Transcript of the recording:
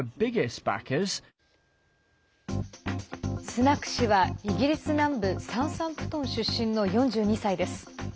スナク氏はイギリス南部サウサンプトン出身の４２歳です。